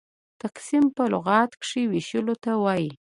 تقسيم په لغت کښي وېشلو ته وايي.